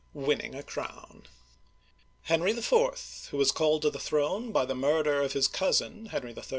WINNING A CROWN HENRY IV., who was called to the throne by the murder of his cousin, Henry III.